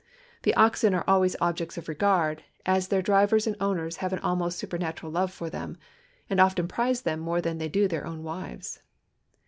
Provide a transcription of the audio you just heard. The o.xen are always objects of regard, as their drivers and owners have an almost supernatural love for them, and often prize them more than they do their own wives.